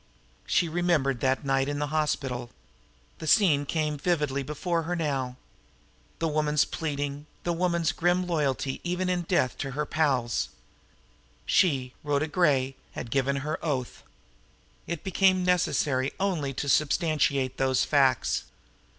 She remembered that night in the hospital. The scene came vividly before her now. The woman's pleading, the woman's grim loyalty even in death to her pals. She, Rhoda Gray, had given her oath. It became necessary only to substantiate those facts.